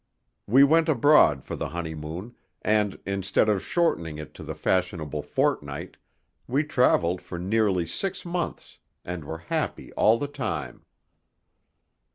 We went abroad for the honeymoon, and, instead of shortening it to the fashionable fortnight, we travelled for nearly six months, and were happy all the time.